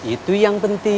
itu yang penting